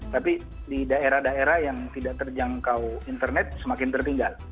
tapi di daerah daerah yang tidak terjangkau internet semakin tertinggal